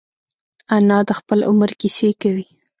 انا د خپل عمر کیسې کوي